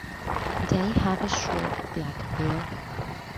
They have a short black bill.